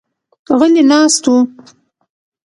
غلي ناست وو.